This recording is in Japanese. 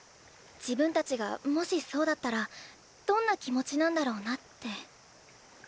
自分たちがもしそうだったらどんな気持ちなんだろうなって。